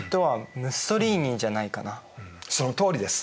そのとおりです。